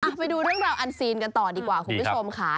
ไปดูเรื่องราวอันซีนกันต่อดีกว่าคุณผู้ชมค่ะ